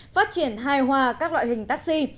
phát triển hài hòa các loại hình taxi